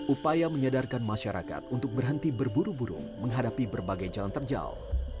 upaya menyadarkan masyarakat untuk berhenti berburu buru menghadapi berbagai jalan terjal